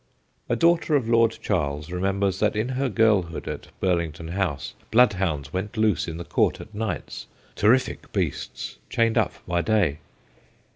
A daughter of Lord Charles remembers that in her girlhood at CALM CAVENDISHES 123 Burlington House bloodhounds went loose in the court at nights, terrific beasts, chained up by day.